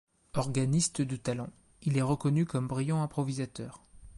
Organiste de talent, il est reconnu comme brillant improvisateur.